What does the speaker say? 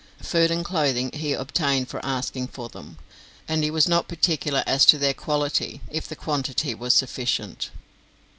Food and clothing he obtained for the asking for them, and he was not particular as to their quality of the quantity was sufficient.